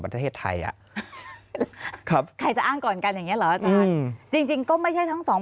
ประเทศไทยครับใครจะอ้างก่อนกันอย่างนี้หรอจริงก็ไม่ใช่ทั้งสอง